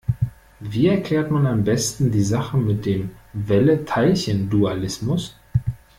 Wie erklärt man am besten die Sache mit dem Welle-Teilchen-Dualismus?